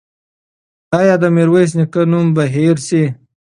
ایا د میرویس نیکه نوم به هېر شي؟